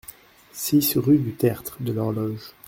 six rue du Tertre de l'Horloge